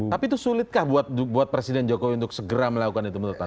tapi itu sulitkah buat presiden jokowi untuk segera melakukan itu menurut anda